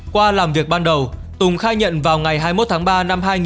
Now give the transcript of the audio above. qua làm việc ban đầu tùng khai nhận vào ngày hai mươi một tháng ba năm hai nghìn hai mươi